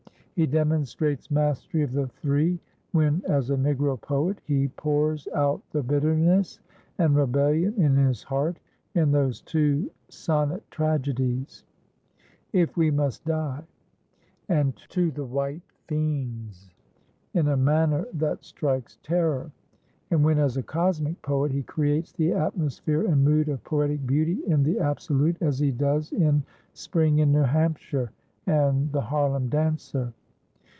He demonstrates mastery of the three when as a Negro poet he pours out the bitterness and rebellion in his heart in those two sonnet tragedies, "If We Must Die" and "To the White Fiends," in a manner that strikes terror; and when as a cosmic poet he creates the atmosphere and mood of poetic beauty in the absolute, as he does in "Spring in New Hampshire" and "The Harlem Dancer."